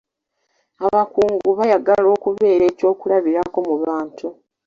Abakungu baayagala okubeera eky'okulabirako mu bantu.